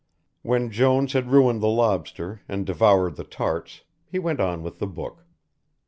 When Jones had ruined the lobster and devoured the tarts he went on with the book.